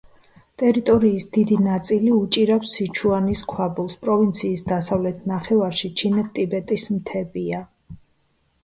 ტერიტორიის დიდი ნაწილი უჭირავს სიჩუანის ქვაბულს, პროვინციის დასავლეთ ნახევარში ჩინეთ-ტიბეტის მთებია.